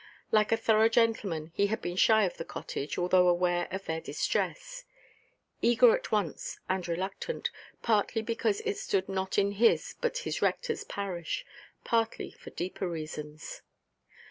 Like a thorough gentleman, he had been shy of the cottage, although aware of their distress; eager at once and reluctant, partly because it stood not in his but his rectorʼs parish, partly for deeper reasons.